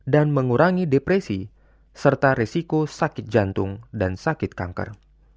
dan mengurangi depresi serta resiko sakit jantung dan sakit kanker